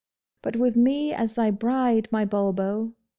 'But with me as thy bride, my Bulbo!